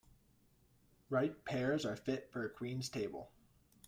Ripe pears are fit for a queen's table.